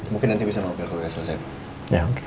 mungkin nanti bisa nongkel ke luar ya selesai